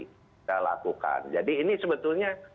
kita lakukan jadi ini sebetulnya